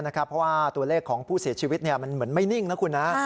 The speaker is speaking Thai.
เพราะว่าตัวเลขของผู้เสียชีวิตมันเหมือนไม่นิ่งนะคุณนะ